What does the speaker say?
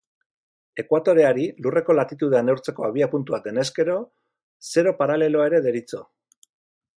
Ekuatoreari, lurreko latitudea neurtzeko abiapuntua denez gero, zero paraleloa ere deritzo.